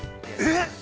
◆えっ！